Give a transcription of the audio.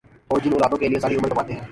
اور جن اولادوں کے لیئے ساری عمر کماتے ہیں